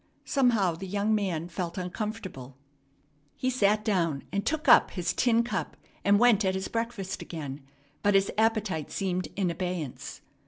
Somehow the young man felt uncomfortable. He sat down, and took up his tin cup, and went at his breakfast again; but his appetite seemed in abeyance.